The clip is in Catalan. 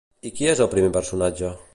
I qui és el primer personatge?